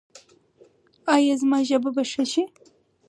ایا زما ژبه به ښه شي؟